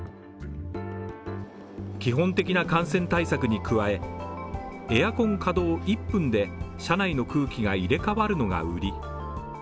基本的な感染対策に加え、エアコン稼働一分で車内の空気が入れ替わるのが売り。